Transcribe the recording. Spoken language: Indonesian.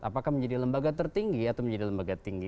apakah menjadi lembaga tertinggi atau menjadi lembaga tinggi